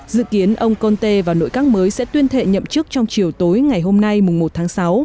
dự kiến ông conte và nội các mới sẽ tuyên thệ nhậm chức trong chiều tối ngày hôm nay một tháng sáu